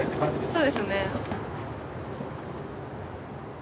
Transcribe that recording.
そうですね。